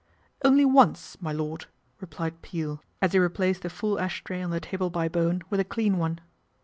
" Only once, my lord," replied Peel as he replaced the full ash tray on the table by Bowen with a clean one.